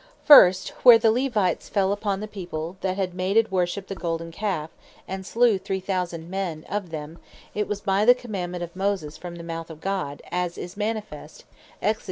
First, where the Levites fell upon the People, that had made and worshipped the Golden Calfe, and slew three thousand of them; it was by the Commandement of Moses, from the mouth of God; as is manifest, Exod.